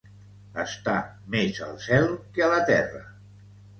Estar més al cel que a la terra.